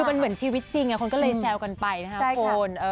คือมันเหมือนชีวิตจริงคนก็เลยแซวกันไปนะครับคุณ